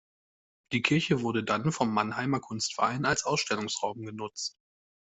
Die Kirche wurde dann vom Mannheimer Kunstverein als Ausstellungsraum genutzt.